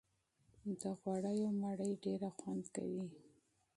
د غوړيو مړۍ ډېره خوند کوي